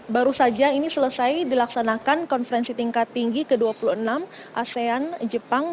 baru saja ini selesai dilaksanakan konferensi tingkat tinggi ke dua puluh enam asean jepang